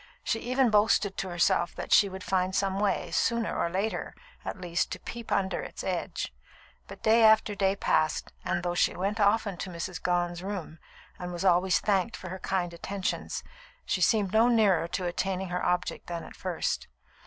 She even boasted to herself that she would find some way, sooner or later, at least to peep under its edge; but day after day passed, and though she went often to Mrs. Gone's room, and was always thanked for her kind attentions, she seemed no nearer to attaining her object than at first.